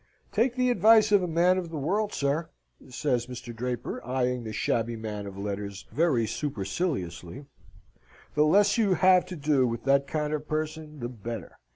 "Take the advice of a man of the world, sir," says Mr. Draper, eyeing the shabby man of letters very superciliously; "the less you have to do with that kind of person, the better.